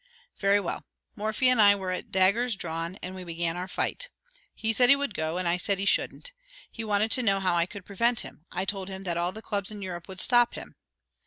Very well; Morphy and I were at daggers drawn and we began our fight. He said he would go, and I said he shouldn't. He wanted to know how I could prevent him; I told him that all the clubs in Europe would stop him.